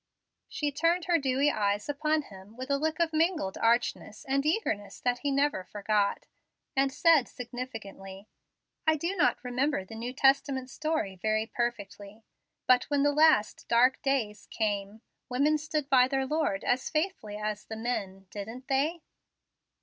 She turned her dewy eyes upon him with a look of mingled archness and earnestness that he never forgot, and said significantly, "I do not remember the New Testament story very perfectly, but when the last, dark days came, women stood by their Lord as faithfully as the men, didn't they?"